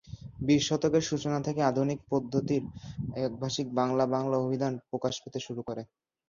বিশ শতকের সূচনা থেকে আধুনিক পদ্ধতির একভাষিক বাংলা-বাংলা অভিধান প্রকাশ পেতে শুরু করে।